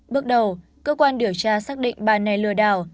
bước đầu cơ quan điều tra xác định bà này lừa đảo